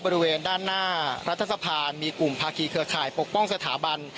บริเวณด้านหน้ารัฐสภามีกลุ่มภาคีเครือข่ายปกป้องสถาบัน